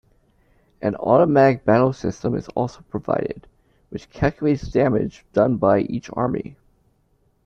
An automatic battle system is also provided, which calculates damage done by each army.